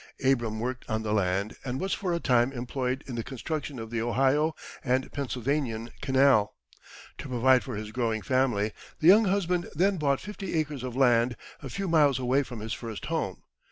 Abram worked on the land, and was for a time employed in the construction of the Ohio and Pennsylvanian Canal. To provide for his growing family, the young husband then bought fifty acres of land, a few miles away from his first home.